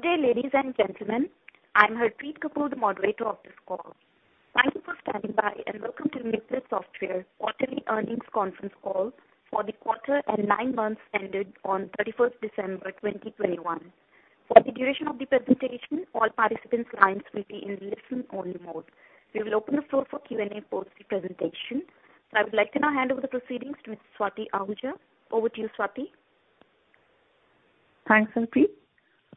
Good day, ladies and gentlemen. I'm Harpreet Kapoor, the moderator of this call. Thank you for standing by, and welcome to Nucleus Software quarterly earnings conference call for the quarter and nine months ended on 31 December 2021. For the duration of the presentation, all participants' lines will be in listen-only mode. We will open the floor for Q&A post the presentation. I would like to now hand over the proceedings to Swati Ahuja. Over to you, Swati. Thanks, Harpreet.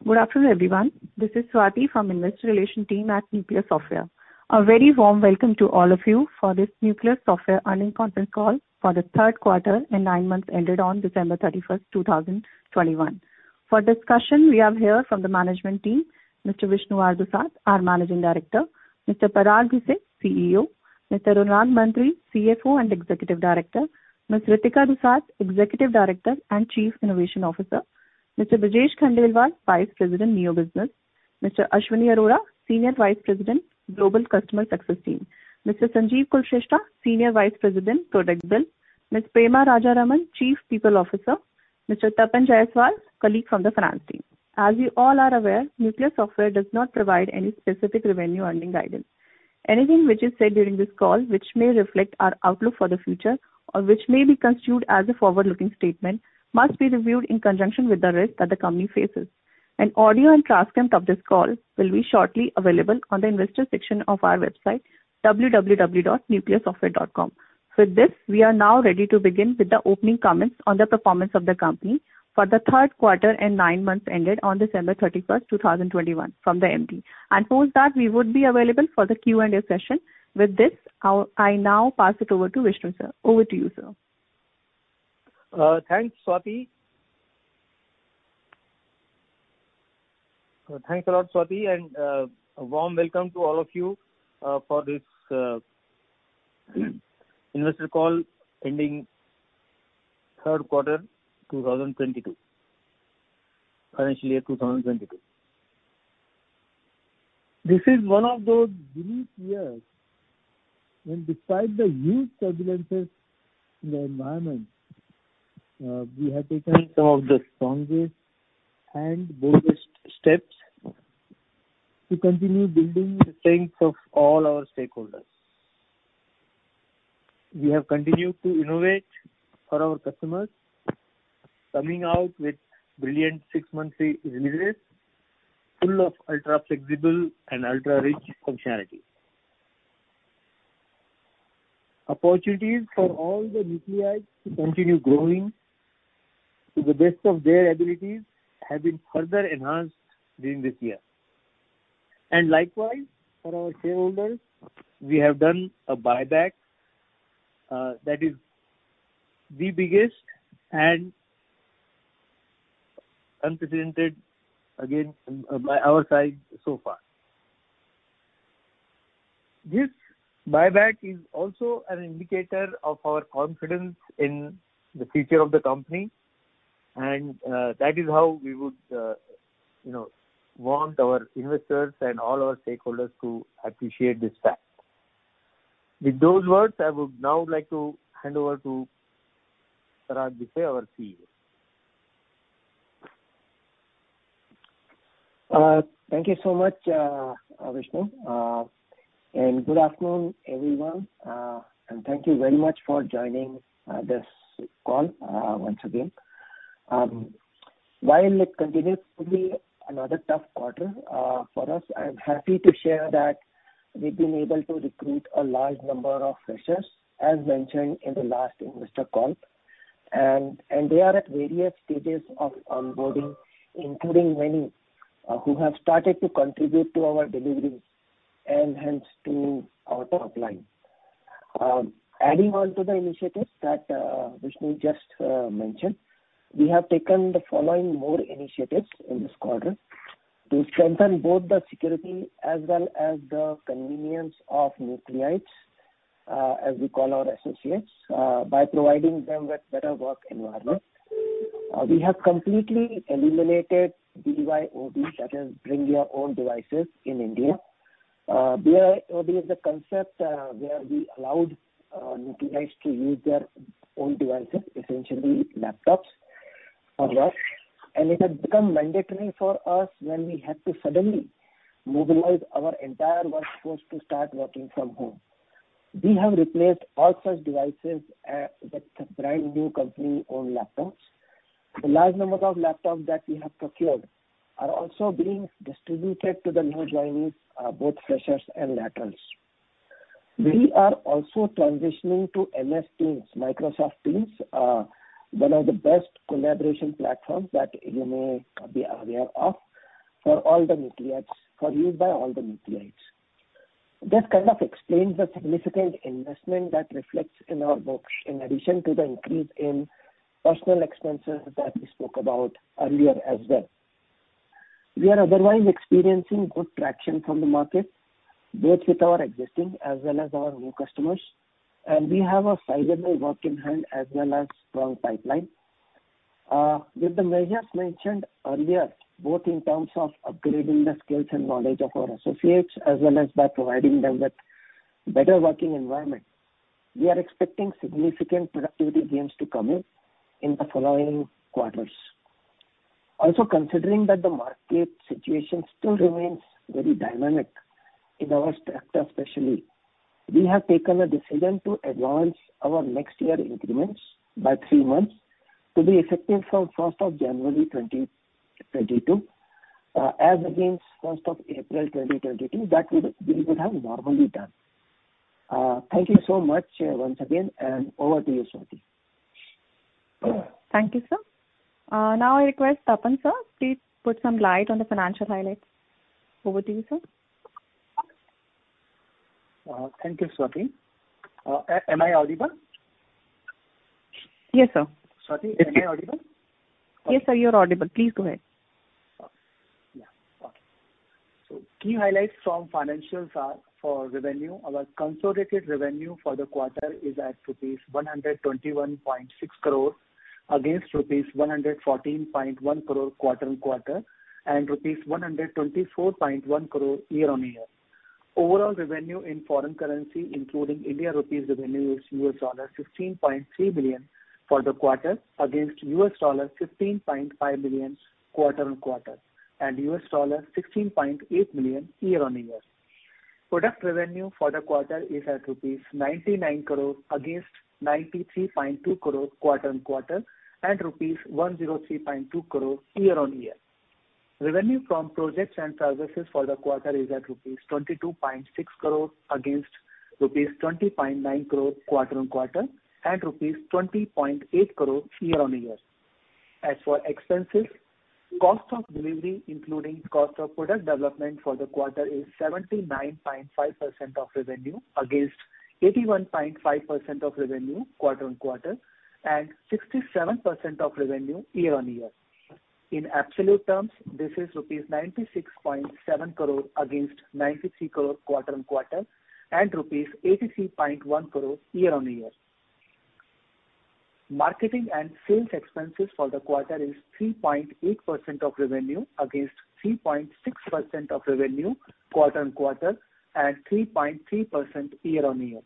Good afternoon, everyone. This is Swati from Investor Relations team at Nucleus Software. A very warm welcome to all of you for this Nucleus Software earnings conference call for the third quarter and nine months ended on December 31, 2021. For discussion, we have here from the management team, Mr. Vishnu R. Dusad, our Managing Director. Mr. Parag Bhise, CEO. Mr. Anurag Mantri, CFO and Executive Director. Ms. Ritika Dusad, Executive Director and Chief Innovation Officer. Mr. Brajesh Khandelwal, Vice President, Neo Business. Mr. Ashwani Arora, Senior Vice President, Global Customer Success Team. Mr. Sanjeev Kulshreshtha, Senior Vice President, Product Build. Ms. Prema Rajaraman, Chief People Officer. Mr. Tapan Jayaswal, colleague from the finance team. As you all are aware, Nucleus Software does not provide any specific revenue earnings guidance. Anything which is said during this call which may reflect our outlook for the future or which may be construed as a forward-looking statement must be reviewed in conjunction with the risk that the company faces. An audio and transcript of this call will be shortly available on the investor section of our website, www.nucleussoftware.com. With this, we are now ready to begin with the opening comments on the performance of the company for the third quarter and nine months ended on December 31, 2021 from the MD. Post that, we would be available for the Q&A session. With this, I'll now pass it over to Vishnu, sir. Over to you, sir. Thanks, Swati. Thanks a lot, Swati, and a warm welcome to all of you for this investor call ending third quarter 2022. Financial year 2022. This is one of those unique years when despite the huge turbulences in the environment, we have taken some of the strongest and boldest steps to continue building the strength of all our stakeholders. We have continued to innovate for our customers, coming out with brilliant six-monthly releases, full of ultra-flexible and ultra-rich functionality. Opportunities for all the Nucleites to continue growing to the best of their abilities have been further enhanced during this year. Likewise, for our shareholders, we have done a buyback that is the biggest and unprecedented, again, by our side so far. This buyback is also an indicator of our confidence in the future of the company and, that is how we would, you know, want our investors and all our stakeholders to appreciate this fact. With those words, I would now like to hand over to Parag Bhise, our CEO. Thank you so much, Vishnu. Good afternoon, everyone. Thank you very much for joining this call once again. While it continues to be another tough quarter for us, I'm happy to share that we've been able to recruit a large number of freshers, as mentioned in the last investor call. They are at various stages of onboarding, including many who have started to contribute to our deliveries and hence to our top line. Adding on to the initiatives that Vishnu just mentioned, we have taken the following more initiatives in this quarter to strengthen both the security as well as the convenience of Nucleites, as we call our associates, by providing them with better work environment. We have completely eliminated BYOD, that is bring your own devices, in India. BYOD is a concept, where we allowed Nucleites to use their own devices, essentially laptops, for work. It had become mandatory for us when we had to suddenly mobilize our entire workforce to start working from home. We have replaced all such devices with brand-new company-owned laptops. The large numbers of laptops that we have procured are also being distributed to the new joinees, both freshers and laterals. We are also transitioning to Microsoft Teams, one of the best collaboration platforms that you may be aware of, for use by all the Nucleites. This kind of explains the significant investment that reflects in our books, in addition to the increase in personal expenses that we spoke about earlier as well. We are otherwise experiencing good traction from the market, both with our existing as well as our new customers. We have a sizable work in hand as well as strong pipeline. With the measures mentioned earlier, both in terms of upgrading the skills and knowledge of our associates, as well as by providing them with better working environment, we are expecting significant productivity gains to come in the following quarters. Considering that the market situation still remains very dynamic in our sector especially, we have taken a decision to advance our next year increments by three months to be effective from first of January 2022, as against first of April 2022 that we would have normally done. Thank you so much once again, and over to you, Swati. Thank you, sir. Now I request Tapan, sir, please put some light on the financial highlights. Over to you, sir. Thank you, Swati. Am I audible? Yes, sir. Swati, am I audible? Yes, sir, you're audible. Please go ahead. Yeah. Okay. Key highlights from financials are for revenue. Our consolidated revenue for the quarter is at rupees 121.6 crores against rupees 114.1 crores quarter-over-quarter and rupees 124.1 crores year-over-year. Overall revenue in foreign currency, including India rupees revenue, is $16.3 million for the quarter against $15.5 million quarter-over-quarter and $16.8 million year-over-year. Product revenue for the quarter is at rupees 99 crores against 93.2 crores quarter-over-quarter and rupees 103.2 crores year-over-year. Revenue from projects and services for the quarter is at rupees 22.6 crores against rupees 20.9 crores quarter-on-quarter and INR 20.8 crores year-on-year. As for expenses, cost of delivery, including cost of product development for the quarter, is 79.5% of revenue against 81.5% of revenue quarter-on-quarter and 67% of revenue year-on-year. In absolute terms, this is rupees 96.7 crores against 93 crores quarter-on-quarter and rupees 83.1 crores year-on-year. Marketing and sales expenses for the quarter is 3.8% of revenue against 3.6% of revenue quarter-on-quarter and 3.3% year-on-year.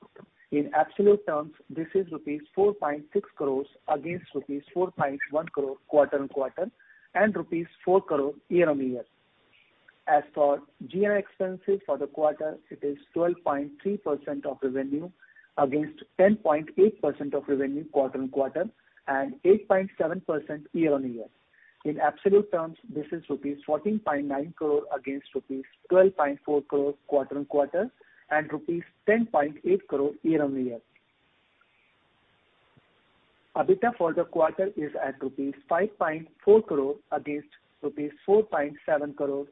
In absolute terms, this is rupees 4.6 crores against rupees 4.1 crores quarter-on-quarter and rupees 4 crores year-on-year. As for G&A expenses for the quarter, it is 12.3% of revenue against 10.8% of revenue quarter-on-quarter and 8.7% year-on-year. In absolute terms, this is rupees 14.9 crores against rupees 12.4 crores quarter-on-quarter and rupees 10.8 crores year-on-year. EBITDA for the quarter is at rupees 5.4 crores against rupees 4.7 crores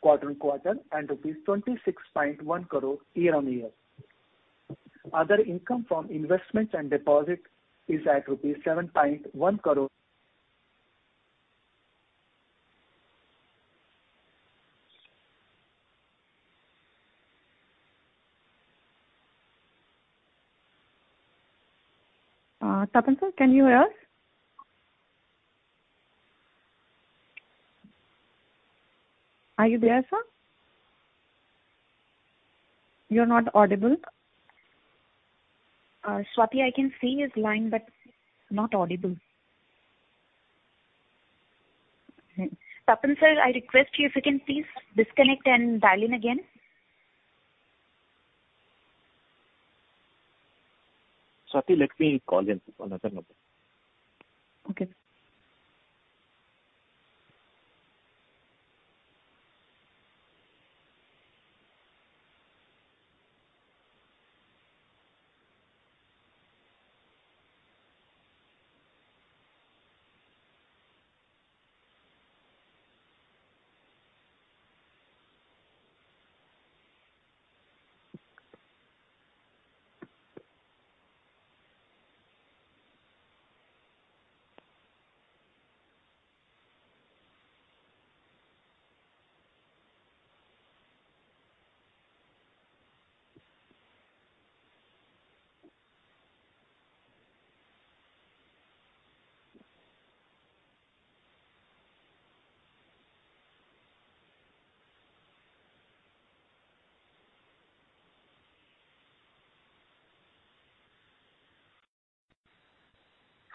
quarter-on-quarter and rupees 26.1 crores year-on-year. Other income from investments and deposits is at INR 7.1 crores. Tapan, sir, can you hear us? Are you there, sir? You're not audible. Swati, I can see his line, but not audible. Tapan, sir, I request you, if you can please disconnect and dial in again. Swati, let me call him from another number. Okay.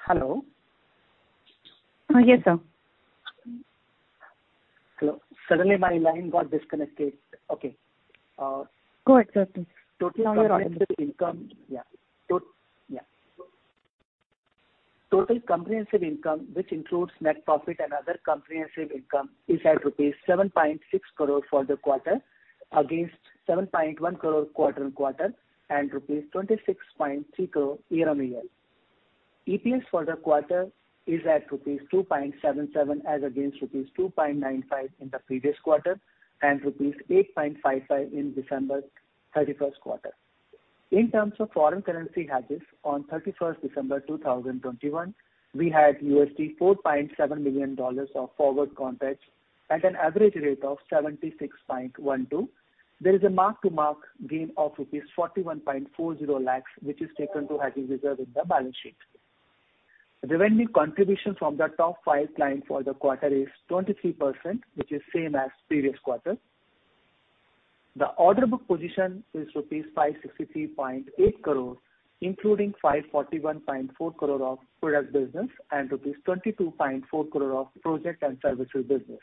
Hello? Yes, sir. Hello. Suddenly my line got disconnected. Okay. Go ahead, sir, please. Now you're audible. Total comprehensive income, which includes net profit and other comprehensive income, is at rupees 7.6 crores for the quarter against 7.1 crores quarter-on-quarter and rupees 26.3 crores year-on-year. EPS for the quarter is at rupees 2.77 as against rupees 2.95 in the previous quarter and rupees 8.55 in December 31 quarter. In terms of foreign currency hedges on December 31, 2021, we had $4.7 million of forward contracts at an average rate of 76.12. There is a mark-to-market gain of rupees 41.40 lakhs which is taken to hedging reserve in the balance sheet. The revenue contribution from the top five clients for the quarter is 23%, which is same as previous quarter. The order book position is rupees 563.8 crores, including 541.4 crore of product business and rupees 22.4 crore of project and services business.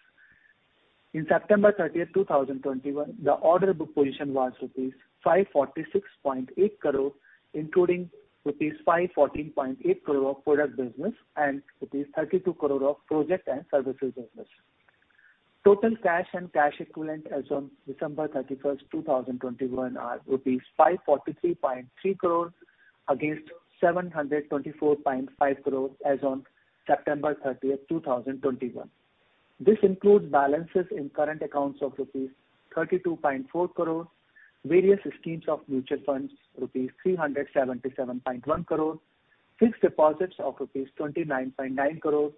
In September 30, 2021, the order book position was rupees 546.8 crore, including rupees 514.8 crore of product business and rupees 32 crore of project and services business. Total cash and cash equivalent as on December 31, 2021 are rupees 543.3 crores against 724.5 crores as on September 30, 2021. This includes balances in current accounts of rupees 32.4 crores, various schemes of mutual funds, rupees 377.1 crores, fixed deposits of rupees 29.9 crores,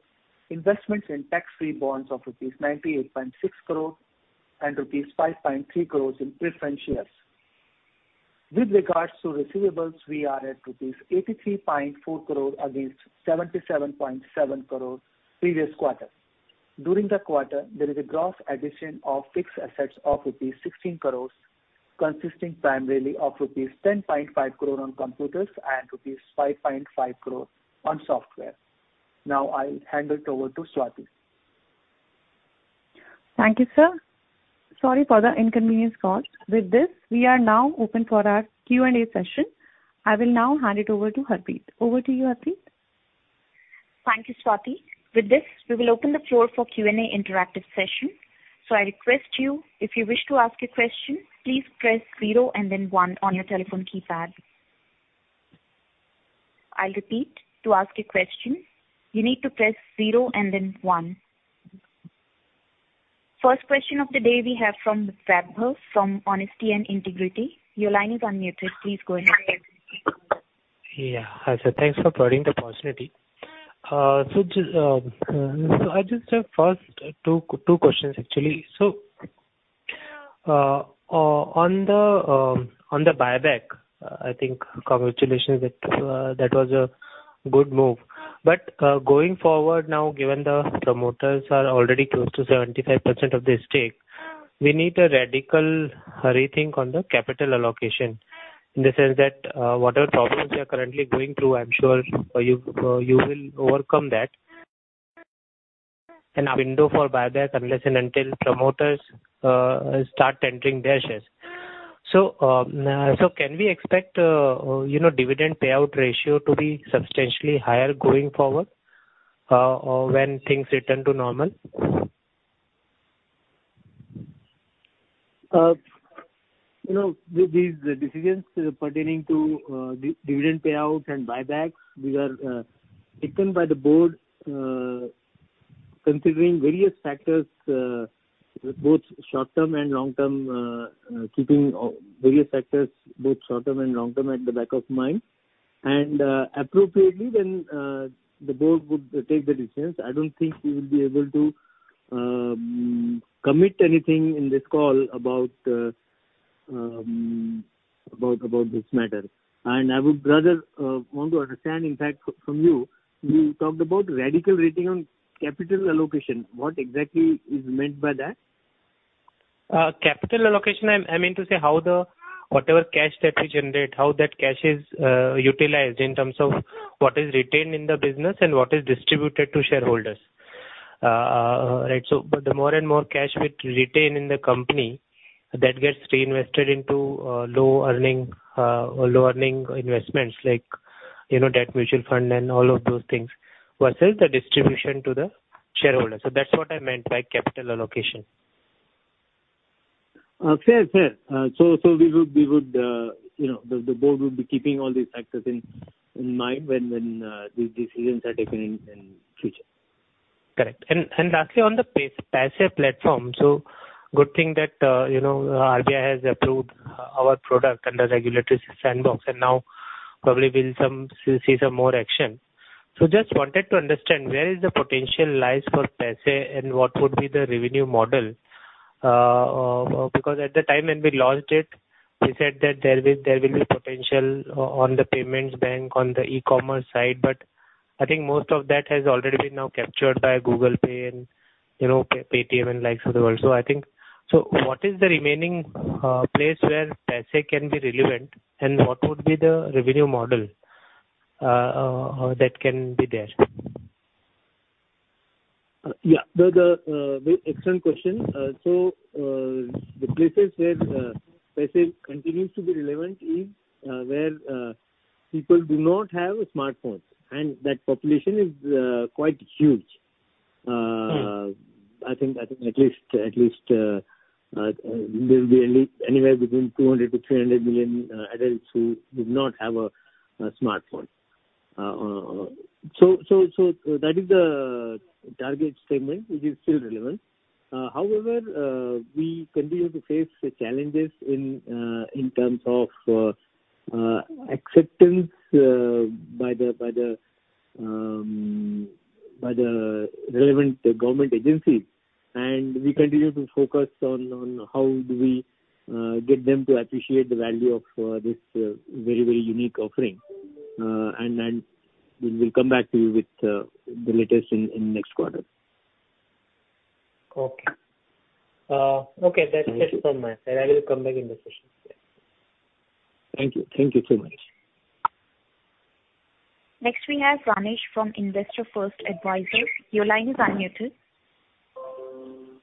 investments in tax-free bonds of rupees 98.6 crore and rupees 5.3 crores in preference shares. With regard to receivables, we are at rupees 83.4 crore against 77.7 crore previous quarter. During the quarter, there is a gross addition of fixed assets of rupees 16 crores, consisting primarily of rupees 10.5 crore on computers and rupees 5.5 crore on software. Now I'll hand it over to Swati. Thank you, sir. Sorry for the inconvenience caused. With this, we are now open for our Q&A session. I will now hand it over to Harpreet. Over to you, Harpreet. Thank you, Swati. With this, we will open the floor for Q&A interactive session. I request you, if you wish to ask a question, please press zero and then one on your telephone keypad. I'll repeat. To ask a question, you need to press zero and then one. First question of the day we have from Prabal from Honesty and Integrity. Your line is unmuted. Please go ahead. Yeah. Hi, sir. Thanks for providing the opportunity. I just have first two questions, actually. On the buyback, I think congratulations. That was a good move. Going forward now, given the promoters are already close to 75% of their stake, we need a radical rethink on the capital allocation. In the sense that, whatever problems you're currently going through, I'm sure you will overcome that. A window for buyback, unless and until promoters start entering their shares. Can we expect, you know, dividend payout ratio to be substantially higher going forward, when things return to normal? You know, these decisions pertaining to dividend payouts and buybacks, these are taken by the board, considering various factors, both short-term and long-term, keeping various factors, both short-term and long-term at the back of mind. Appropriately when the board would take the decisions, I don't think we will be able to commit anything in this call about this matter. I would rather want to understand, in fact, from you. You talked about radical rethink on capital allocation. What exactly is meant by that? Capital allocation, I mean to say how the whatever cash that we generate, how that cash is utilized in terms of what is retained in the business and what is distributed to shareholders. Right. The more and more cash we retain in the company, that gets reinvested into low earning investments like, you know, debt mutual fund and all of those things versus the distribution to the shareholders. That's what I meant by capital allocation. Fair. We would, you know, the board would be keeping all these factors in mind when these decisions are taken in future. Correct. Lastly on the PaySe platform, good thing that, you know, RBI has approved our product under Regulatory Sandbox, and now probably we'll see some more action. Just wanted to understand where is the potential lies for PaySe and what would be the revenue model. Because at the time when we launched it, we said that there will be potential on the payments bank, on the e-commerce side. I think most of that has already been now captured by Google Pay and, you know, Paytm and likes of the world. What is the remaining place where PaySe can be relevant, and what would be the revenue model that can be there? Yeah. The very excellent question. So, the places where PaySe continues to be relevant is where people do not have a smartphone, and that population is quite huge. Right. I think at least there'll be anywhere between 200-300 million adults who do not have a smartphone. That is the target segment which is still relevant. However, we continue to face the challenges in terms of acceptance by the By the relevant government agencies. We continue to focus on how do we get them to appreciate the value of this very unique offering. Then we will come back to you with the latest in next quarter. Okay. Okay. That's it from my side. I will come back in the session. Thank you. Thank you so much. Next we have Rakesh from Investor First Advisors. Your line is unmuted.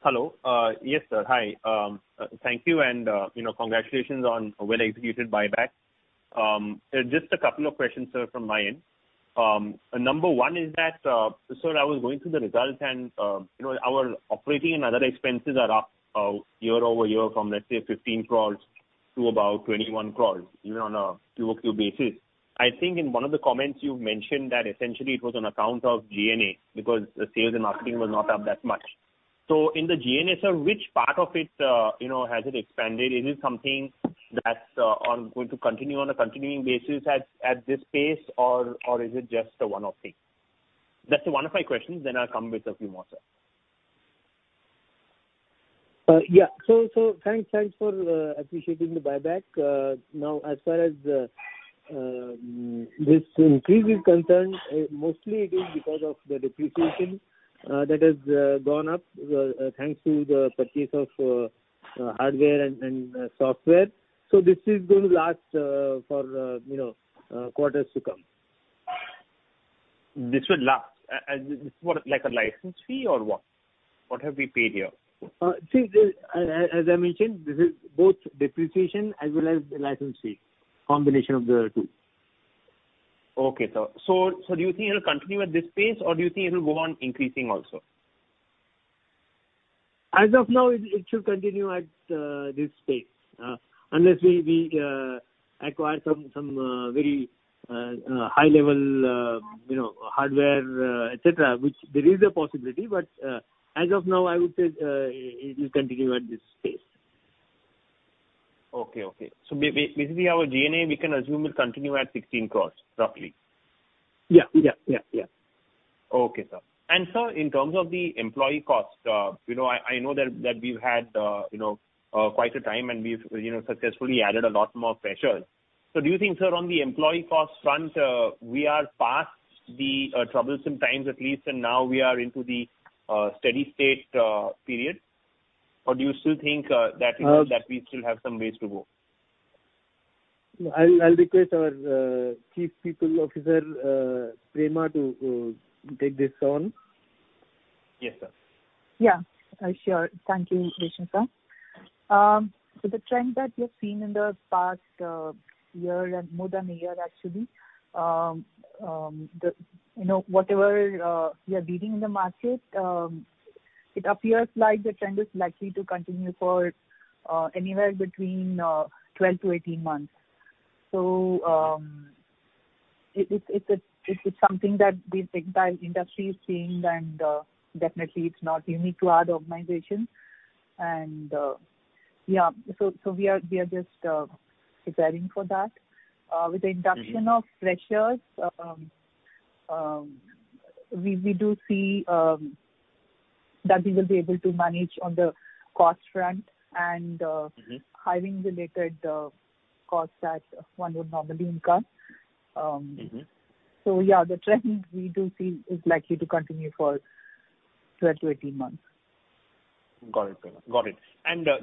Hello. Yes, sir. Hi. Thank you, and, you know, congratulations on a well-executed buyback. Just a couple of questions, sir, from my end. Number 1 is that, so I was going through the results and, you know, our operating and other expenses are up year-over-year from, let's say, 15 crores to about 21 crores even on a QOQ basis. I think in one of the comments you've mentioned that essentially it was on account of G&A because the sales and marketing was not up that much. In the G&A, sir, which part of it, you know, has it expanded? Is it something that's going to continue on a continuing basis at this pace or is it just a one-off thing? That's one of my questions, then I'll come with a few more, sir. Thanks for appreciating the buyback. Now, as far as this increase is concerned, mostly it is because of the depreciation that has gone up thanks to the purchase of hardware and software. This is going to last for you know quarters to come. This will last. This is what, like a license fee or what? What have we paid here? See, as I mentioned, this is both depreciation as well as the license fee, combination of the two. Okay, sir. Do you think it'll continue at this pace or do you think it will go on increasing also? As of now, it should continue at this pace, unless we acquire some very high level, you know, hardware, etc., which there is a possibility, but as of now, I would say, it will continue at this pace. Okay. Basically our G&A, we can assume it will continue at 16 crore, roughly. Yeah. Okay, sir. Sir, in terms of the employee cost, you know, I know that we've had you know quite a time and we've you know successfully added a lot more pressures. Do you think, sir, on the employee cost front, we are past the troublesome times at least, and now we are into the steady state period? Or do you still think that you know that we still have some ways to go? I'll request our Chief People Officer, Prema, to take this on. Yes, sir. Sure. Thank you, Rakesh, sir. The trend that you've seen in the past year and more than a year actually, you know, whatever we are reading in the market, it appears like the trend is likely to continue for anywhere between 12-18 months. It's something that the big data industry is seeing, and definitely it's not unique to our organization. We are just preparing for that. With the induction of freshers, we do see that we will be able to manage on the cost front and Mm-hmm. hiring related costs that one would normally incur. Mm-hmm. Yeah, the trend we do see is likely to continue for 12-18 months. Got it, Prema. Got it.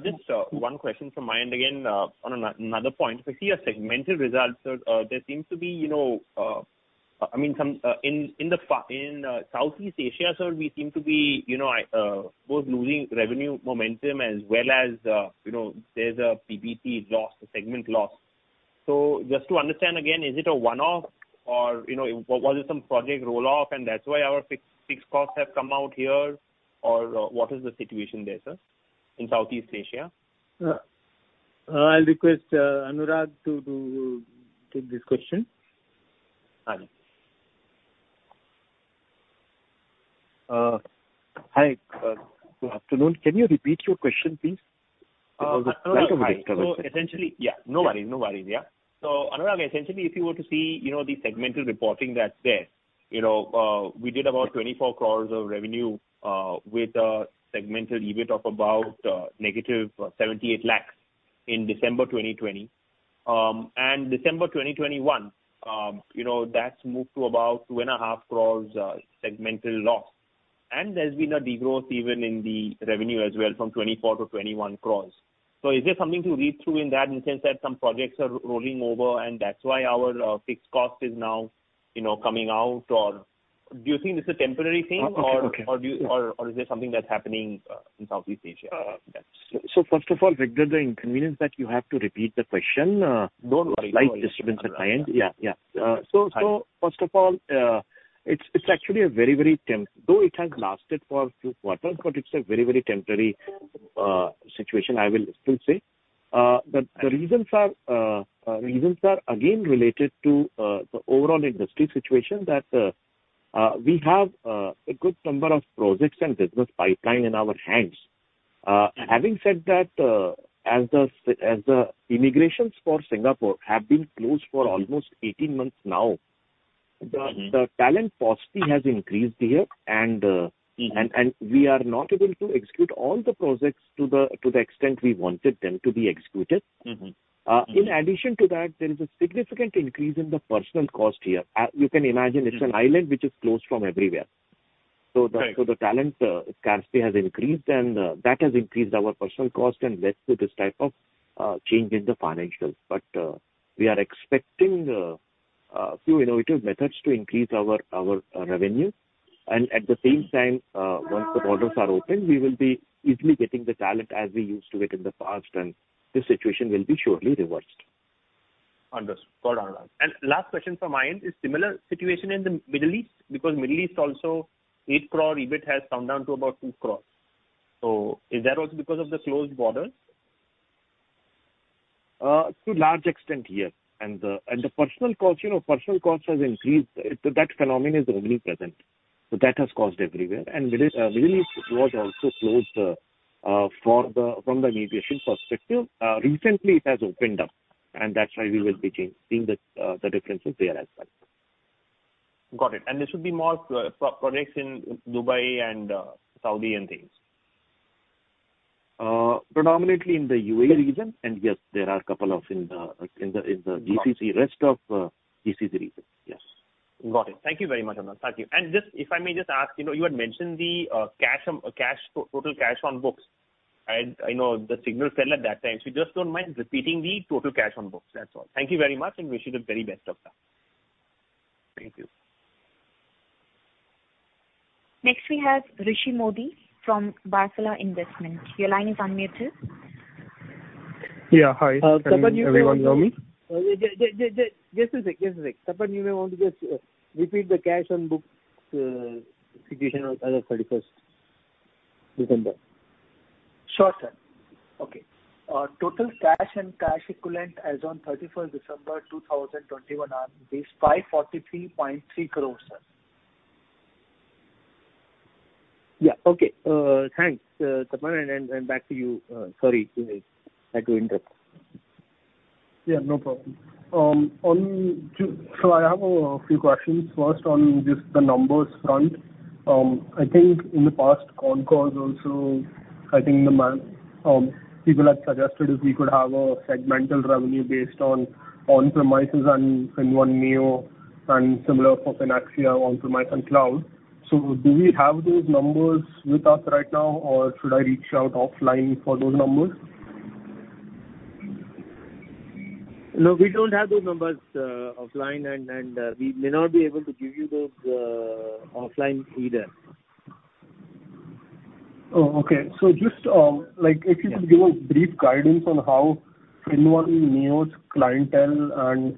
Just one question from my end again on another point. We see your segmental results, sir. There seems to be, you know, I mean, some in Southeast Asia, sir, we seem to be, you know, both losing revenue momentum as well as, you know, there's a PBT loss, a segment loss. Just to understand again, is it a one-off or, you know, was it some project roll-off and that's why our fixed costs have come out here? Or what is the situation there, sir, in Southeast Asia? I'll request Anurag to take this question. Fine. Hi. Good afternoon. Can you repeat your question, please? Anurag, hi. Essentially. Yeah, no worries, yeah. Anurag, essentially, if you were to see, you know, the segmental reporting that's there, you know, we did about 24 crores of revenue, with a segmental EBIT of about negative 78 lakhs in December 2020. December 2021, you know, that's moved to about 2.5 crores segmental loss. There's been a degrowth even in the revenue as well from 24 crores to 21 crores. Is there something to read through in that in the sense that some projects are rolling over and that's why our fixed cost is now, you know, coming out? Or do you think this is a temporary thing? Okay. Is there something that's happening in Southeast Asia? First of all, regarding the inconvenience that you have to repeat the question. Don't worry. Slight disturbance at my end. Yeah, yeah. First of all, though it has lasted for a few quarters, it's a very temporary situation, I will still say. The reasons are again related to the overall industry situation that we have a good number of projects and business pipeline in our hands. Having said that, as the immigration for Singapore has been closed for almost 18 months now. Mm-hmm. The talent paucity has increased here, and Mm-hmm. We are not able to execute all the projects to the extent we wanted them to be executed. Mm-hmm. Mm-hmm. In addition to that, there is a significant increase in the personnel cost here. You can imagine. Mm-hmm. It's an island which is closed from everywhere. Right. The talent scarcity has increased, and that has increased our personnel cost and led to this type of change in the financials. We are expecting a few innovative methods to increase our revenue. At the same time, once the borders are open, we will be easily getting the talent as we used to it in the past, and this situation will be surely reversed. Understood. Got it. Last question from my end. Is similar situation in the Middle East? Because Middle East also 8 crore EBIT has come down to about 2 crore. Is that also because of the closed borders? To large extent, yes. The personnel cost, you know, personnel cost has increased. That phenomenon is only present. That has cost everywhere. Middle East was also closed from the aviation perspective. Recently it has opened up, and that's why we will be seeing the differences there as well. Got it. There should be more pro-projects in Dubai and Saudi and things. Predominantly in the UAE region. Yes. Yes, there are a couple of in the GCC. Got it. Rest of GCC region. Yes. Got it. Thank you very much, Anurag. Thank you. Just if I may just ask, you know, you had mentioned the total cash on books. I know the signal fell at that time. Just don't mind repeating the total cash on books, that's all. Thank you very much, and wish you the very best of time. Thank you. Next we have Rishi Modi from Baroda Investment. Your line is unmuted. Yeah. Hi. Can everyone hear me? Tapan, you may want to just repeat the cash on books situation as of 31 December. Sure, sir. Okay. Total cash and cash equivalent as on 31st December 2021 are at INR 543.3 crores, sir. Yeah. Okay. Thanks, Tapan. Back to you. Sorry, Brajesh. Had to interrupt. Yeah, no problem. Onto I have a few questions. First, on just the numbers front. I think in the past con calls also, people had suggested if we could have a segmental revenue based on on-premises and FinnOne Neo and similar for FinnAxia on-premise and cloud. Do we have those numbers with us right now, or should I reach out offline for those numbers? No, we don't have those numbers offline, and we may not be able to give you those offline either. Okay. Just, like if you could give a brief guidance on how FinnOne Neo's clientele and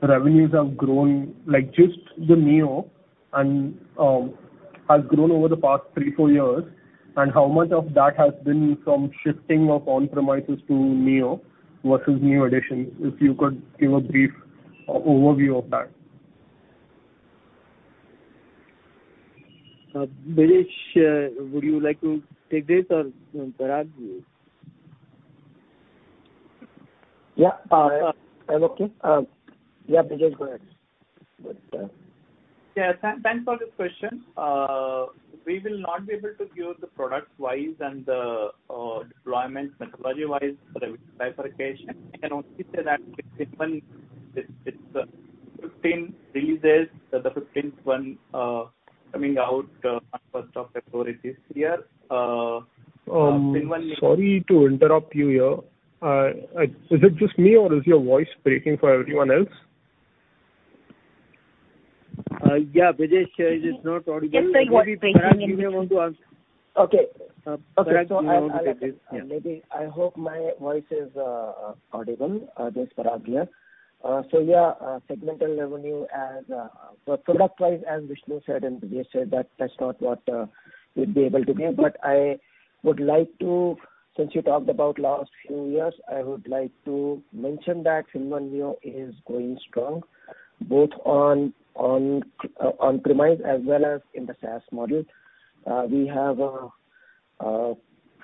revenues have grown, like just the Neo and has grown over the past three, four years. How much of that has been from shifting of on-premises to Neo versus new additions? If you could give a brief overview of that. Brajesh, would you like to take this or, you know, Parag, you- Yeah. I'm okay. Yeah, Brajesh, go ahead. Thanks for the question. We will not be able to give the products-wise and the deployment methodology-wise revenue bifurcation. I can only say that it's fifteen releases. The 15th one coming out on the first of February this year. FinnOne Sorry to interrupt you here. Is it just me or is your voice breaking for everyone else? Yeah, Brajesh, it is not audible. Yes, I was breaking it. Maybe, Parag, you may want to answer. Okay. Parag, do you want to take this? Yeah. Okay. I hope my voice is audible. This is Parag here. Yeah, segmental revenue as well, product-wise, as Vishnu said and Brajesh said that that's not what we'd be able to give. Since you talked about last few years, I would like to mention that FinnOne Neo is going strong, both on-premise as well as in the SaaS model. We have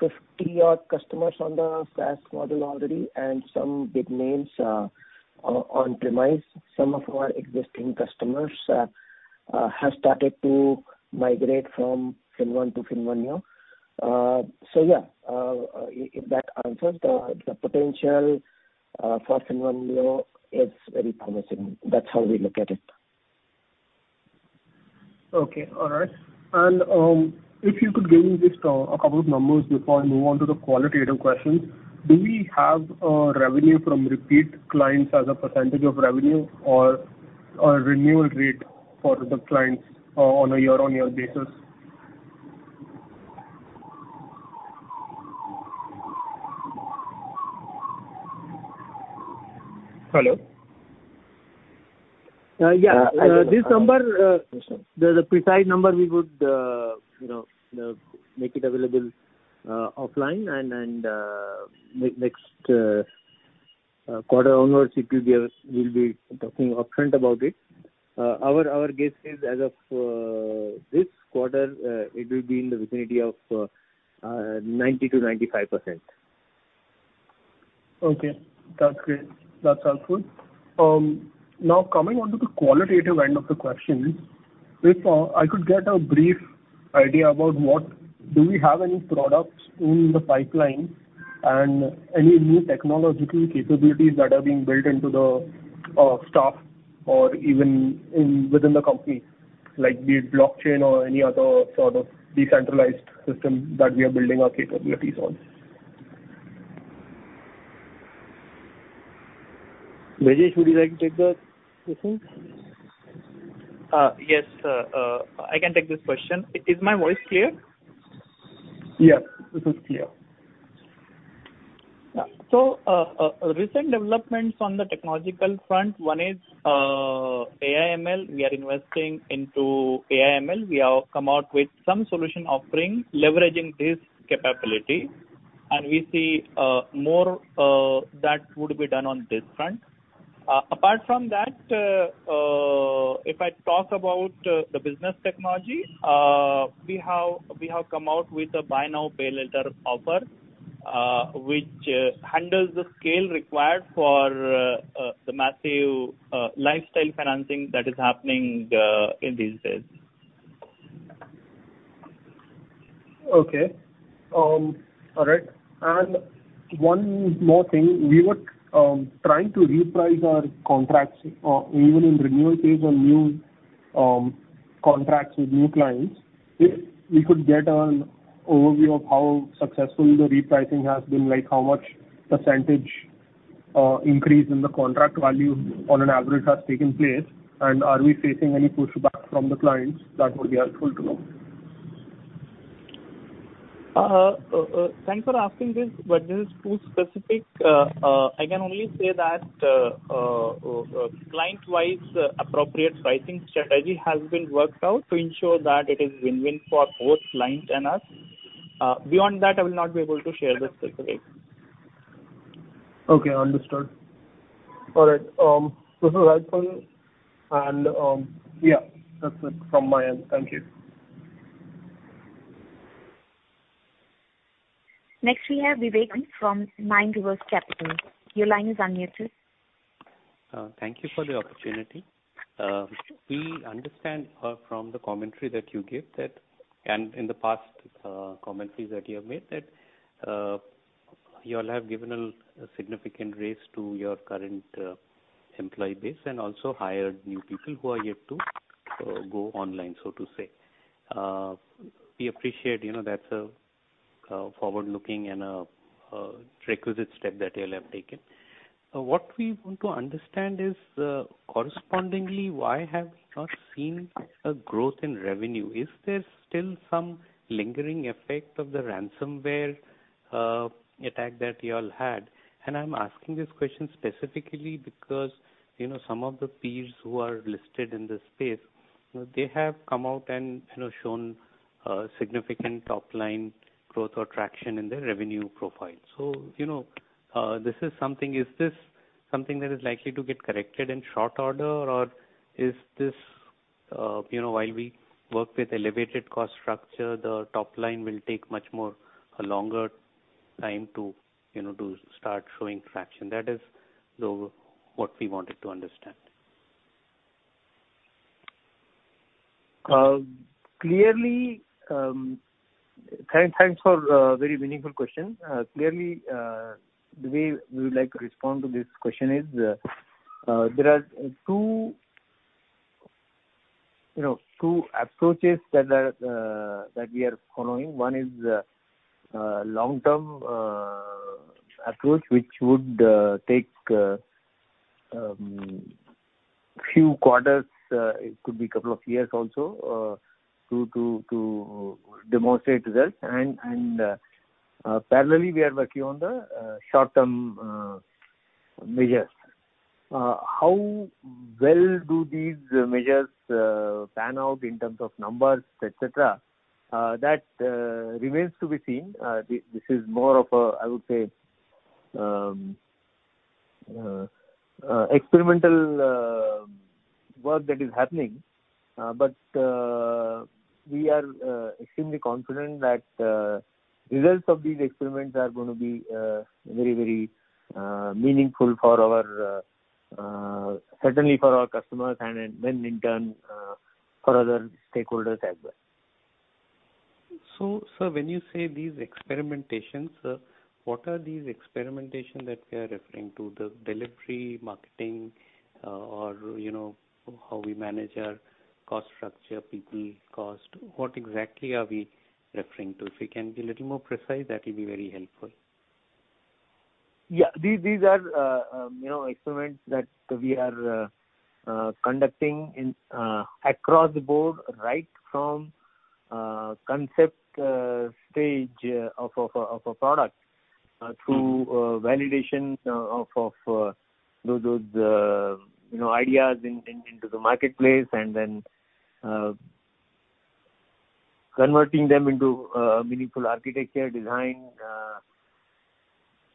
50 odd customers on the SaaS model already and some big names on-premise. Some of our existing customers have started to migrate from FinnOne to FinnOne Neo. Yeah, if that answers the potential for FinnOne Neo, it's very promising. That's how we look at it. Okay. All right. If you could give me just a couple of numbers before I move on to the qualitative questions. Do we have a revenue from repeat clients as a percentage of revenue or a renewal rate for the clients on a year-on-year basis? Hello? Yeah. I don't think so. This number, the precise number we would, you know, make it available offline and next. Quarter onwards it will give us. We'll be talking upfront about it. Our guess is as of this quarter, it will be in the vicinity of 90%-95%. Okay. That's great. That's helpful. Now coming on to the qualitative end of the questions, if I could get a brief idea about what do we have any products in the pipeline and any new technological capabilities that are being built into the staff or even within the company? Like be it blockchain or any other sort of decentralized system that we are building our capabilities on. Brajesh Khandelwal, would you like to take that question? Yes, I can take this question. Is my voice clear? Yes. This is clear. Recent developments on the technological front, one is AI ML. We are investing into AI ML. We have come out with some solution offering leveraging this capability, and we see more that would be done on this front. Apart from that, if I talk about the business technology, we have come out with a buy now, pay later offer, which handles the scale required for the massive lifestyle financing that is happening in these days. Okay. All right. One more thing, we were trying to reprice our contracts even in renewal phase or new contracts with new clients. If we could get an overview of how successful the repricing has been, like how much % increase in the contract value on an average has taken place, and are we facing any pushback from the clients? That would be helpful to know. Thanks for asking this, but this is too specific. I can only say that, client-wise appropriate pricing strategy has been worked out to ensure that it is win-win for both clients and us. Beyond that, I will not be able to share the specifics. Okay, understood. All right. This is helpful. Yeah, that's it from my end. Thank you. Next we have Vivek from Nine Rivers Capital. Your line is unmuted. Thank you for the opportunity. We understand from the commentary that you gave that, and in the past commentaries that you have made, that you all have given a significant raise to your current employee base and also hired new people who are yet to go online, so to say. We appreciate, you know, that's a forward-looking and a requisite step that you all have taken. What we want to understand is, correspondingly, why have we not seen a growth in revenue? Is there still some lingering effect of the ransomware attack that you all had? I'm asking this question specifically because, you know, some of the peers who are listed in this space, you know, they have come out and, you know, shown significant top line growth or traction in their revenue profile. You know, is this something that is likely to get corrected in short order? Or is this, you know, while we work with elevated cost structure, the top line will take much more a longer time to, you know, to start showing traction? That is what we wanted to understand. Clearly, thanks for a very meaningful question. Clearly, the way we would like to respond to this question is, there are two, you know, approaches that we are following. One is a long-term approach, which would take few quarters, it could be couple of years also, to demonstrate results. Parallelly, we are working on the short-term measures. How well do these measures pan out in terms of numbers, et cetera, that remains to be seen. This is more of a, I would say, experimental work that is happening. We are extremely confident that results of these experiments are gonna be very meaningful, certainly for our customers and then in turn for other stakeholders as well. Sir, when you say these experimentations, what are these experimentations that we are referring to? The delivery, marketing, or, you know, how we manage our cost structure, people cost. What exactly are we referring to? If you can be a little more precise, that will be very helpful. Yeah. These are experiments that we are conducting across the board right from concept stage of a product through validation of those you know ideas into the marketplace and then converting them into meaningful architecture design,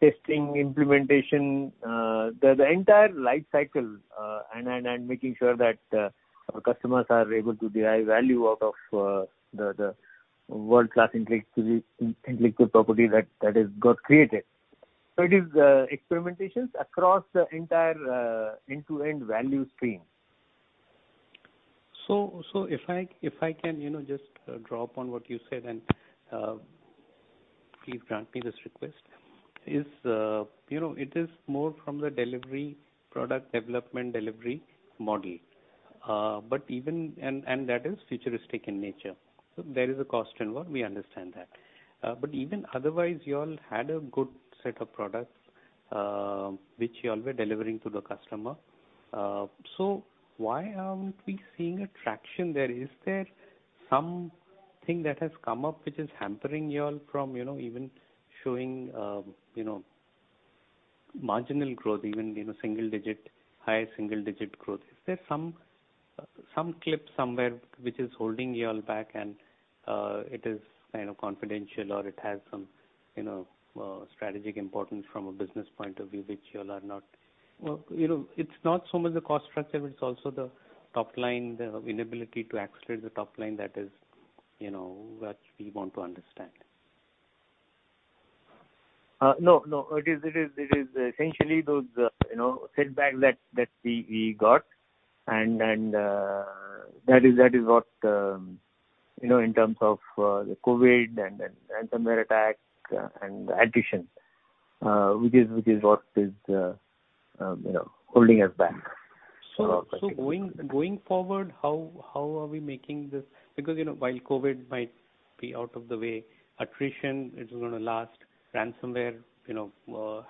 testing, implementation, the entire life cycle, and making sure that our customers are able to derive value out of the world-class intellectual property that has got created. It is experimentations across the entire end-to-end value stream. If I can, you know, just draw up on what you said, and please grant me this request, it is more from the delivery product development delivery model. But even and that is futuristic in nature. There is a cost involved, we understand that. But even otherwise, you all had a good set of products, which you all were delivering to the customer. Why aren't we seeing a traction there? Is there something that has come up which is hampering you all from, you know, even showing marginal growth even, you know, single digit, high single digit growth? Is there some clip somewhere which is holding you all back and it is kind of confidential or it has some, you know, strategic importance from a business point of view, which you all are not. Well, you know, it's not so much the cost structure, but it's also the top line, the inability to accelerate the top line that is, you know, that we want to understand. No. It is essentially those, you know, setbacks that we got and that is what, you know, in terms of the COVID and ransomware attack and attrition, which is what is, you know, holding us back for our- Going forward, how are we making this? Because, you know, while COVID might be out of the way, attrition is gonna last. Ransomware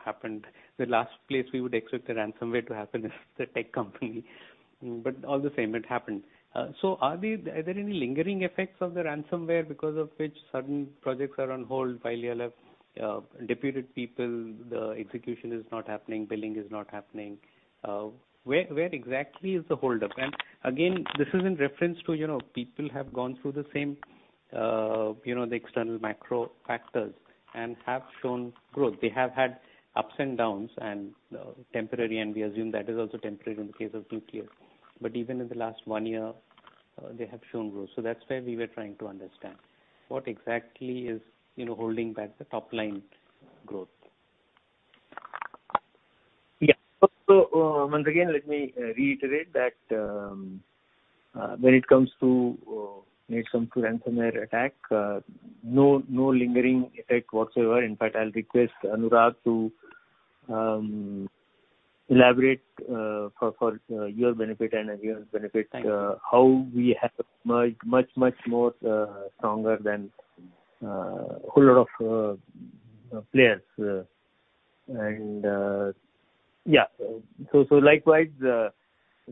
happened. The last place we would expect a ransomware to happen is the tech company, but all the same, it happened. So are there any lingering effects of the ransomware because of which certain projects are on hold while you all have deputed people, the execution is not happening, billing is not happening? Where exactly is the holdup? Again, this is in reference to, you know, people have gone through the same, you know, the external macro factors and have shown growth. They have had ups and downs and temporary, and we assume that is also temporary in the case of QTI. Even in the last one year, they have shown growth. That's where we were trying to understand what exactly is, you know, holding back the top line growth. Yeah, once again, let me reiterate that when it comes to ransomware attack, no lingering effect whatsoever. In fact, I'll request Anurag to elaborate for your benefit and Anurag's benefit. Thank you. How we have much more stronger than a whole lot of players. Yeah. Likewise,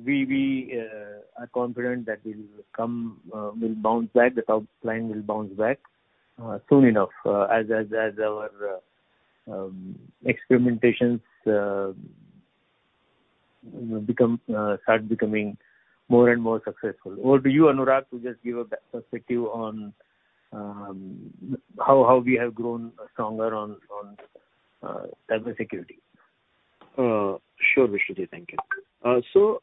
we are confident that we'll bounce back. The top line will bounce back soon enough, as our experimentations start becoming more and more successful. Over to you, Anurag, to just give a perspective on how we have grown stronger on cybersecurity. Sure, Vishnu. Thank you.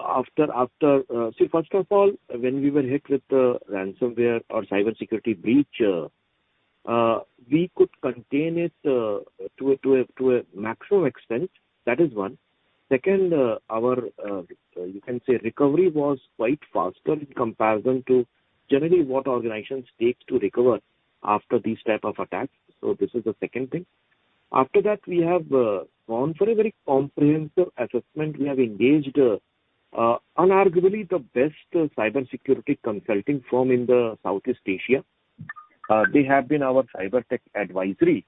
After... See, first of all, when we were hit with the ransomware or cybersecurity breach, we could contain it to a maximum extent. That is one. Second, our recovery was quite faster in comparison to generally what organizations take to recover after these type of attacks. This is the second thing. After that, we have gone for a very comprehensive assessment. We have engaged unarguably the best cybersecurity consulting firm in Southeast Asia. They have been our cybersecurity advisory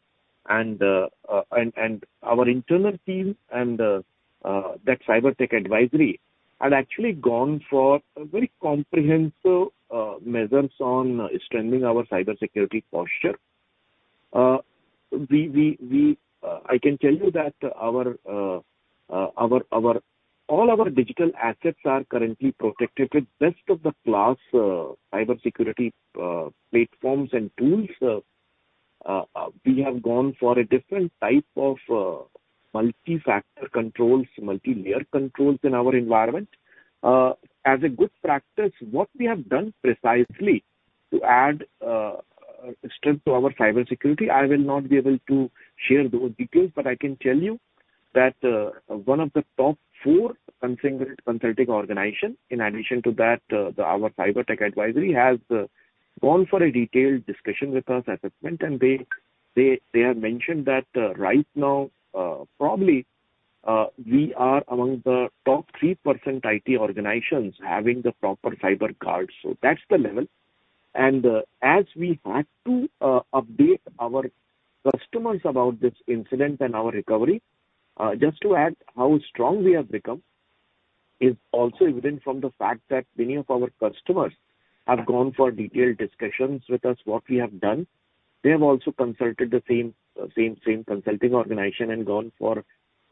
and our internal team, and that cybersecurity advisory had actually gone for very comprehensive measures on strengthening our cybersecurity posture. I can tell you that all our digital assets are currently protected with best of the class cybersecurity platforms and tools. We have gone for a different type of multi-factor controls, multi-layer controls in our environment. As a good practice, what we have done precisely to add strength to our cybersecurity, I will not be able to share those details, but I can tell you that one of the top four consulting organizations, in addition to that, our cybersecurity advisory, has gone for a detailed discussion with us, assessment, and they have mentioned that right now, probably, we are among the top 3% IT organizations having the proper cyber guards. That's the level. As we had to update our customers about this incident and our recovery, just to add how strong we have become is also evident from the fact that many of our customers have gone for detailed discussions with us, what we have done. They have also consulted the same consulting organization and gone for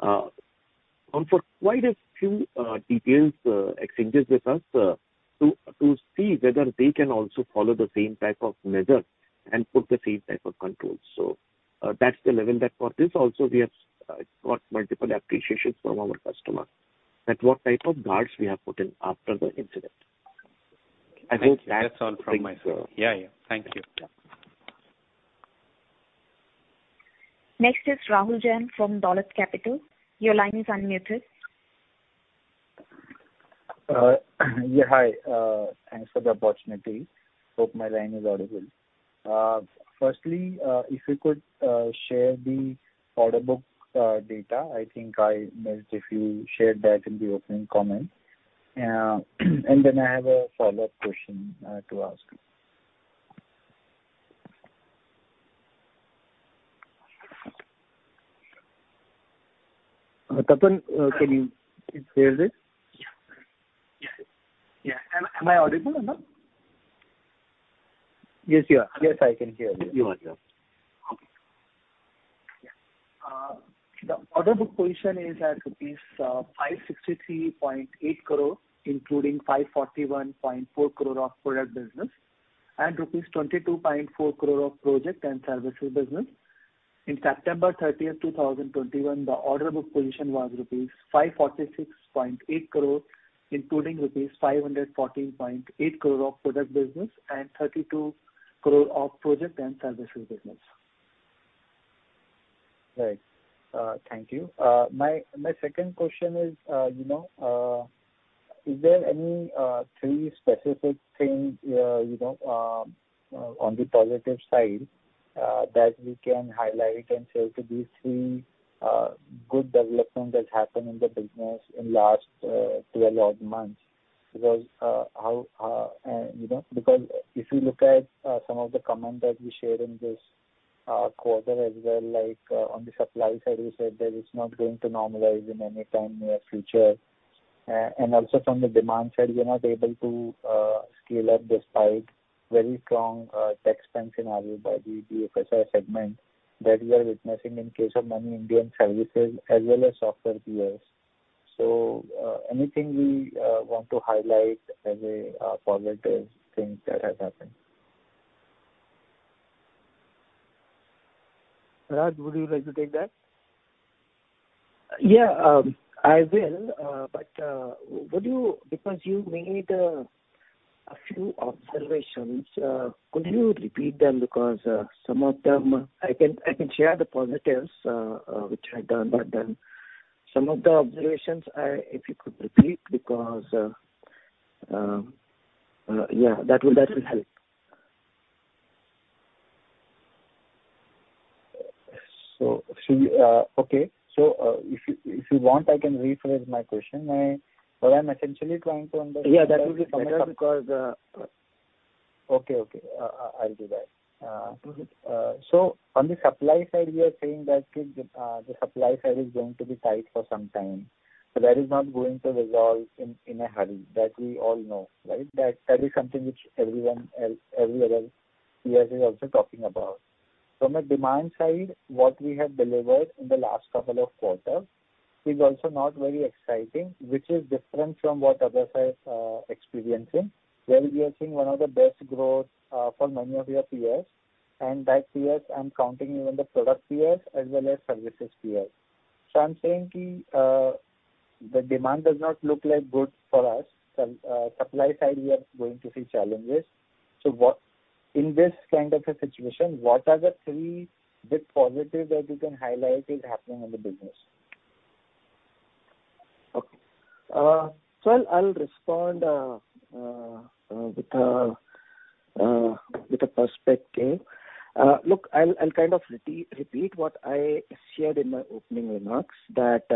For quite a few detailed exchanges with us to see whether they can also follow the same type of measure and put the same type of controls. That's the level that for this also we have got multiple appreciations from our customer at what type of guards we have put in after the incident. I think that's all from my side. Yeah, yeah. Thank you. Next is Rahul Jain from Dolat Capital. Your line is unmuted. Yeah, hi. Thanks for the opportunity. Hope my line is audible. Firstly, if you could share the order book data. I think I missed if you shared that in the opening comment. I have a follow-up question to ask. Tapan, can you please share this? Yeah. Yeah. Yeah. Am I audible or no? Yes, you are. Yes, I can hear you. The order book position is at rupees 563.8 crore, including 541.4 crore of product business and rupees 22.4 crore of project and services business. In September 30, 2021, the order book position was rupees 546.8 crore, including rupees 514.8 crore of product business and 32 crore of project and services business. Right. Thank you. My second question is, you know, is there any three specific things, you know, on the positive side, that we can highlight and say, okay, these three good development that happened in the business in last 12 odd months. If you look at some of the comments that we shared in this quarter as well, like, on the supply side, you said that it's not going to normalize in any time near future. And also from the demand side, we are not able to scale up despite very strong tech spend scenario by the BFSI segment that we are witnessing in case of many Indian services as well as software peers. Anything we want to highlight as a positive thing that has happened? Parag, would you like to take that? Yeah, I will. Would you, because you made a few observations, could you repeat them? Because some of them I can share the positives which I done, but then some of the observations, if you could repeat because yeah, that will help. If you want, I can rephrase my question. What I'm essentially trying to understand- Yeah, that will be better because, I'll do that. On the supply side, we are saying that the supply side is going to be tight for some time. That is not going to resolve in a hurry. That we all know, right? That is something which everyone every other peer is also talking about. From a demand side, what we have delivered in the last couple of quarters is also not very exciting, which is different from what others are experiencing, where we are seeing one of the best growth for many of your peers. By peers I'm counting even the product peers as well as services peers. I'm saying the demand does not look like good for us. Supply side we are going to see challenges. In this kind of a situation, what are the three big positives that you can highlight is happening in the business? I'll respond with a perspective. Look, I'll kind of repeat what I shared in my opening remarks that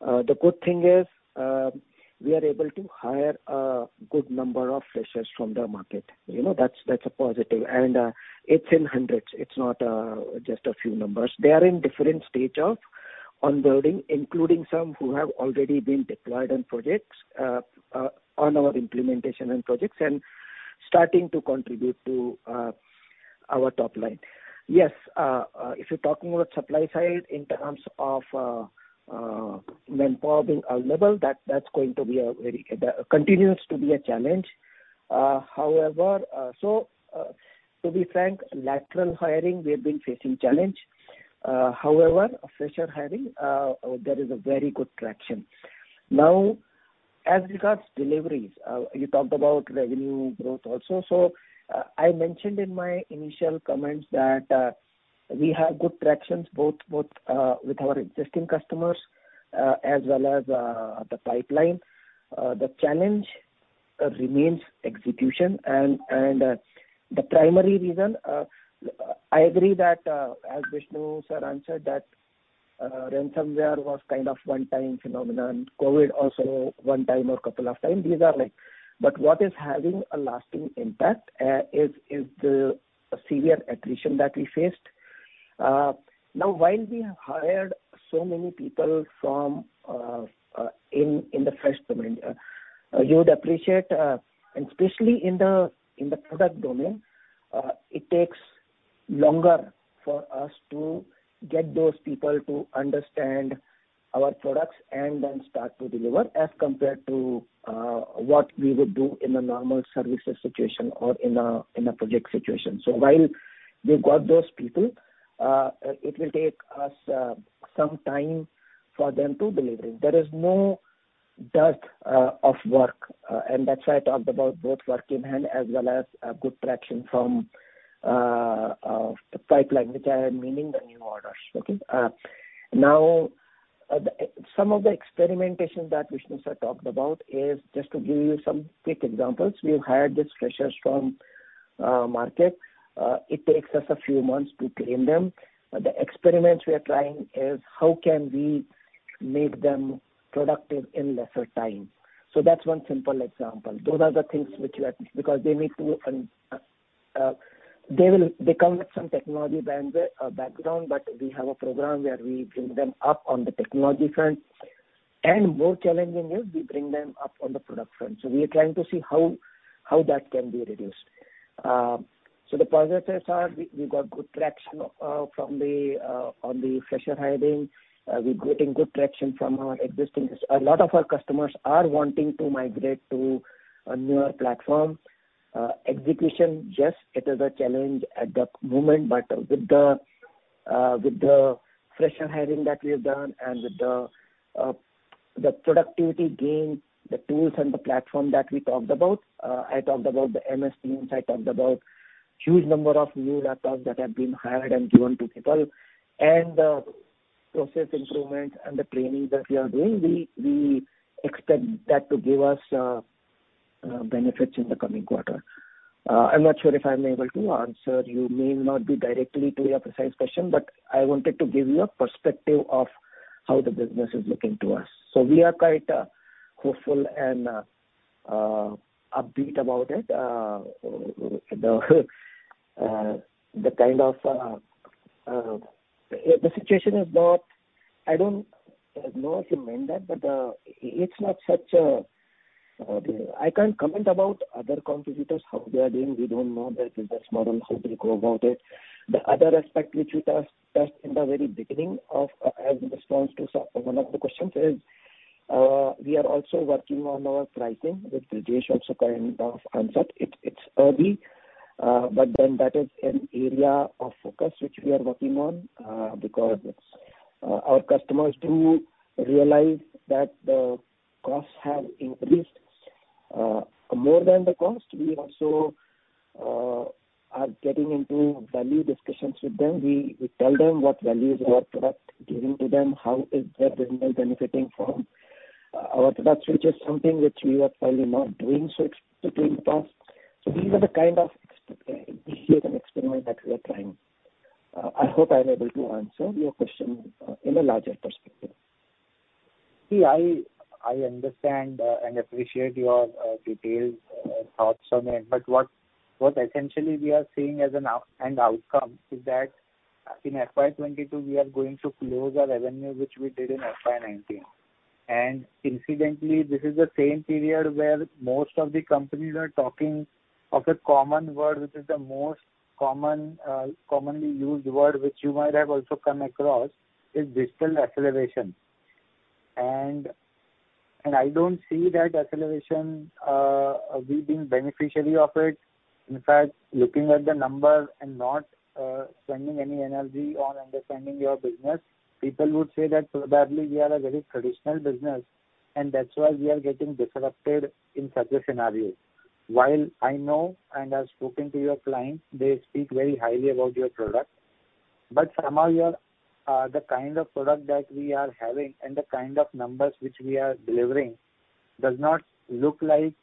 the good thing is, we are able to hire a good number of freshers from the market. You know, that's a positive. It's in hundreds. It's not just a few numbers. They are in different stage of onboarding, including some who have already been deployed on projects on our implementation and projects and starting to contribute to our top line. Yes, if you're talking about supply side in terms of manpower being available, that's going to continue to be a challenge. However, to be frank, lateral hiring, we have been facing challenge. However, fresher hiring, there is a very good traction. Now, as regards deliveries, you talked about revenue growth also. I mentioned in my initial comments that we have good tractions both with our existing customers as well as the pipeline. The challenge remains execution. The primary reason, I agree that, as Vishnu sir answered that, ransomware was kind of one-time phenomenon. COVID also one time or couple of time. These are. What is having a lasting impact is the severe attrition that we faced. Now while we have hired so many people from the fresh domain, you would appreciate and especially in the product domain, it takes longer for us to get those people to understand our products and then start to deliver as compared to what we would do in a normal services situation or in a project situation. While we've got those people, it will take us some time for them to deliver. There is no dearth of work, and that's why I talked about both work in hand as well as good traction from the pipeline, which I had meaning the new orders. Okay? Some of the experimentations that Vishnu talked about is just to give you some quick examples. We've hired these freshers from market. It takes us a few months to train them. The experiments we are trying is how can we make them productive in lesser time. That's one simple example. Those are the things which we are, because they need to. They come with some technology background, but we have a program where we bring them up on the technology front. More challenging is we bring them up on the product front. We are trying to see how that can be reduced. The positives are we got good traction from the on the fresher hiring. We're getting good traction from our existing. A lot of our customers are wanting to migrate to a newer platform. Execution, yes, it is a challenge at the moment, but with the fresher hiring that we have done and with the productivity gains, the tools and the platform that we talked about, I talked about the Microsoft Teams, I talked about huge number of new laptops that have been hired and given to people, and the process improvement and the training that we are doing, we expect that to give us benefits in the coming quarter. I'm not sure if I'm able to answer you. May not be directly to your precise question, but I wanted to give you a perspective of how the business is looking to us. We are quite hopeful and upbeat about it. The kind of. I don't know if you meant that, but it's not such a I can't comment about other competitors, how they are doing. We don't know their business model, how they go about it. The other aspect which you touched in the very beginning of, as response to one of the questions is, we are also working on our pricing, which Brajesh also kind of answered. It's early, but then that is an area of focus which we are working on, because our customers do realize that the costs have increased. More than the cost, we also are getting into value discussions with them. We tell them what value is our product giving to them, how is their business benefiting from our products, which is something which we were probably not doing so explicitly in the past. These are the kind of experiments that we are trying. I hope I'm able to answer your question in a larger perspective. See, I understand and appreciate your detailed thoughts on it, but what essentially we are seeing as an outcome is that in FY 2022, we are going to close our revenue, which we did in FY 2019. Incidentally, this is the same period where most of the companies are talking of a common word, which is the most common commonly used word, which you might have also come across, is digital acceleration. I don't see that acceleration we being beneficiary of it. In fact, looking at the numbers and not spending any energy on understanding your business, people would say that probably we are a very traditional business, and that's why we are getting disrupted in such a scenario. While I know and have spoken to your clients, they speak very highly about your product. Somehow your the kind of product that we are having and the kind of numbers which we are delivering does not look like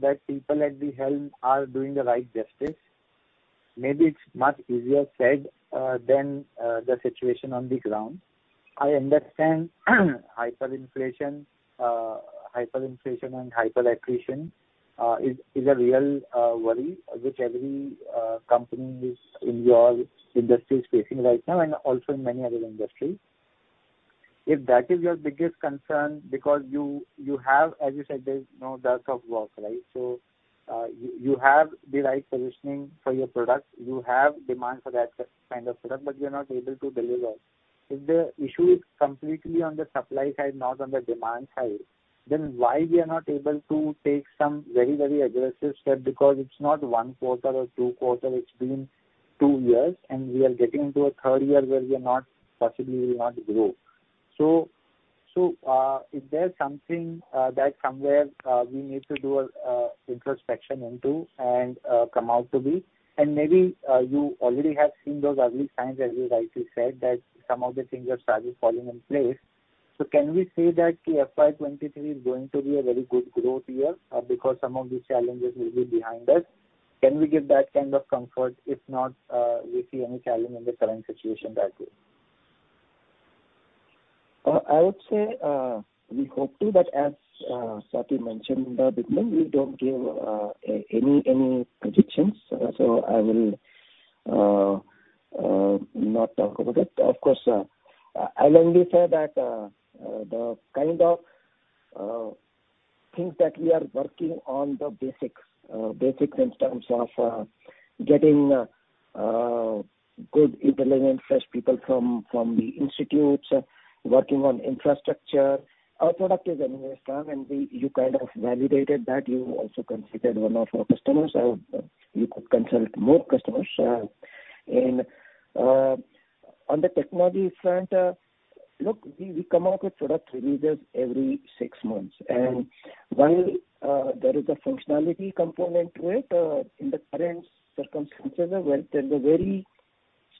the people at the helm are doing the right justice. Maybe it's much easier said than the situation on the ground. I understand hyperinflation and hyper attrition is a real worry which every company in your industry is facing right now and also in many other industries. If that is your biggest concern because you have, as you said, there's no dearth of work, right? You have the right positioning for your product. You have demand for that kind of product, but you're not able to deliver. If the issue is completely on the supply side, not on the demand side, then why we are not able to take some very, very aggressive step? Because it's not one quarter or two quarter, it's been two years, and we are getting into a third year where we are not, possibly will not grow. Is there something that somewhere we need to do a introspection into and come out to be? And maybe you already have seen those early signs, as you rightly said, that some of the things are started falling in place. Can we say that the FY 2023 is going to be a very good growth year because some of these challenges will be behind us? Can we get that kind of comfort if not we see any challenge in the current situation that way? I would say we hope to, but as Swati mentioned in the beginning, we don't give any predictions. I will not talk about it. Of course, I'll only say that the kind of thing that we are working on the basics in terms of getting good, intelligent, fresh people from the institutes, working on infrastructure. Our product is anyways strong, and you kind of validated that. You also considered one of our customers. You could consult more customers. On the technology front, look, we come out with product releases every six months. While there is a functionality component to it, in the current circumstances as well, there's a very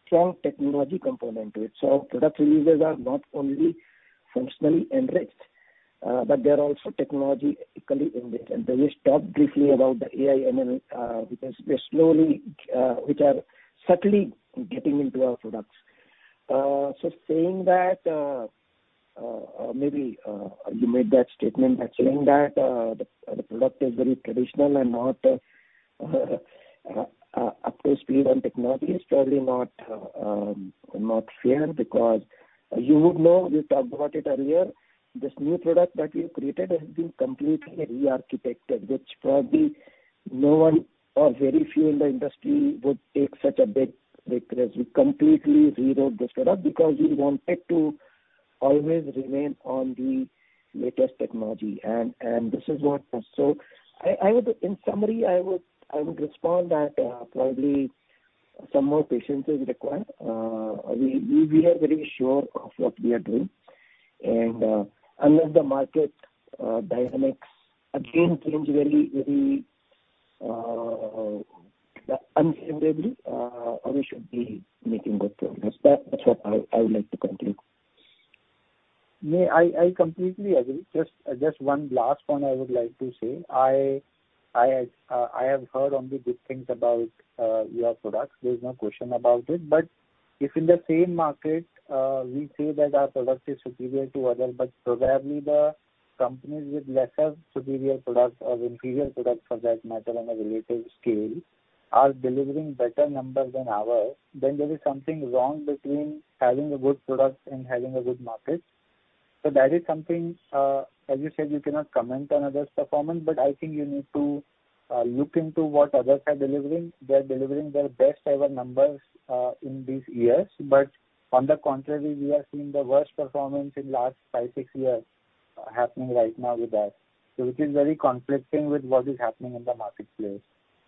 strong technology component to it. Our product releases are not only functionally enriched, but they're also technologically enriched. Brajesh talked briefly about the AI ML because they're slowly which are subtly getting into our products. Saying that, maybe you made that statement that the product is very traditional and not up to speed on technology is probably not fair because you would know, we talked about it earlier, this new product that we've created has been completely re-architected, which probably no one or very few in the industry would take such a big risk. We completely rewrote this product because we wanted to always remain on the latest technology. In summary, I would respond that probably some more patience is required. We are very sure of what we are doing. Unless the market dynamics again change very unbelievably, we should be making good progress. That's what I would like to conclude. I completely agree. Just one last point I would like to say. I have heard only good things about your products. There's no question about it. If in the same market, we say that our product is superior to others, but probably the companies with lesser superior products or inferior products for that matter on a relative scale are delivering better numbers than ours, then there is something wrong between having a good product and having a good market. That is something, as you said, you cannot comment on others' performance, but I think you need to look into what others are delivering. They're delivering their best ever numbers in these years. On the contrary, we are seeing the worst performance in last five, six years happening right now with us. Which is very conflicting with what is happening in the marketplace.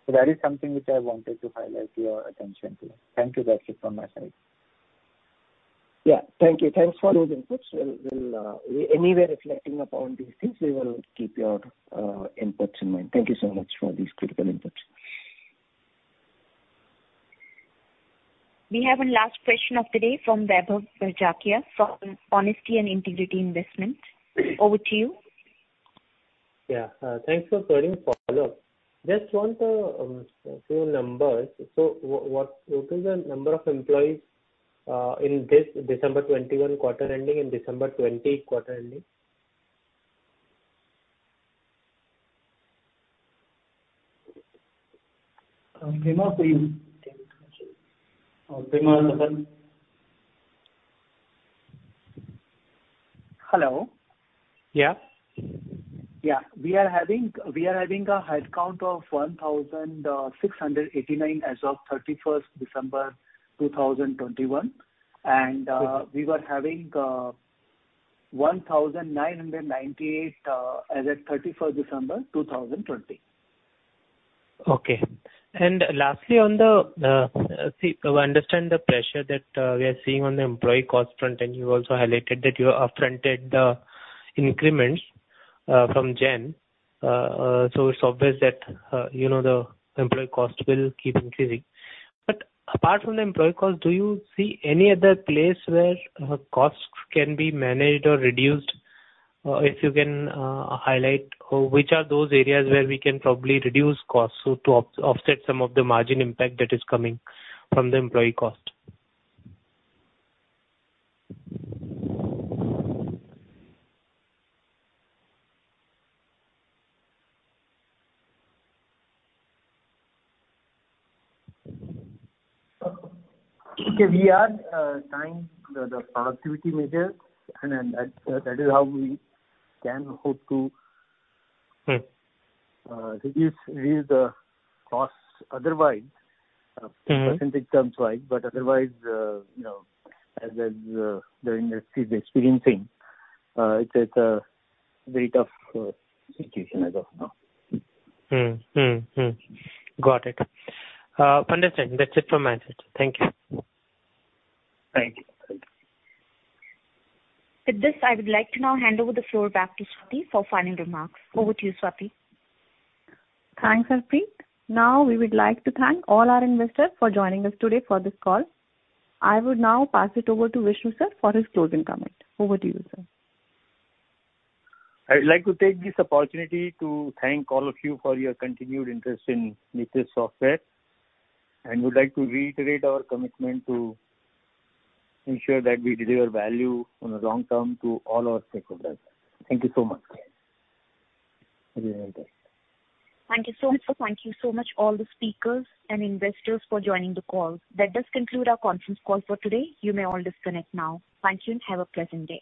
That is something which I wanted to highlight your attention to. Thank you. That's it from my side. Yeah. Thank you. Thanks for those inputs. We'll, as we're reflecting upon these things, we will keep your inputs in mind. Thank you so much for these critical inputs. We have one last question of the day from Vaibhav Badjatya from Honesty and Integrity Investment. Over to you. Thanks for the follow-up. Just want few numbers. What is the number of employees in this December 2021 quarter ending and December 2020 quarter ending? Prema, please take that one. Hello. Yeah. We are having a headcount of 1,689 as of December 31, 2021. We were having 1,998 as at December 31, 2020. Okay. Lastly, we understand the pressure that we are seeing on the employee cost front, and you also highlighted that you have upfronted the increments from January. It's obvious that you know, the employee cost will keep increasing. Apart from the employee cost, do you see any other place where costs can be managed or reduced? If you can highlight which are those areas where we can probably reduce costs, so to offset some of the margin impact that is coming from the employee cost. We are trying the productivity measures, and that is how we can hope to. Hmm. Reduce the costs otherwise. Mm-hmm. Percentage terms-wise. Otherwise, you know, as the industry is experiencing, it's a very tough situation as of now. Got it. I understand. That's it from my side. Thank you. Thank you. With this, I would like to now hand over the floor back to Swati for final remarks. Over to you, Swati. Thanks, Harpreet. Now, we would like to thank all our investors for joining us today for this call. I would now pass it over to Vishnu sir for his closing comment. Over to you, sir. I'd like to take this opportunity to thank all of you for your continued interest in Nucleus Software, and would like to reiterate our commitment to ensure that we deliver value on the long term to all our stakeholders. Thank you so much. Have a great day. Thank you so much. Thank you so much all the speakers and investors for joining the call. That does conclude our conference call for today. You may all disconnect now. Thank you, and have a pleasant day.